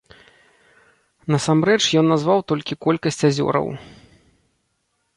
Насамрэч ён назваў толькі колькасць азёраў.